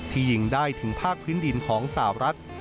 ยิงได้ถึงภาคพื้นดินของสาวรัฐ